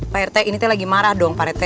pak rt ini lagi marah dong pak rt